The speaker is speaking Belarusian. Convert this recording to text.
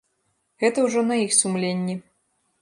Гэта ўжо на іх сумленні.